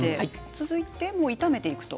続いて炒めていくと。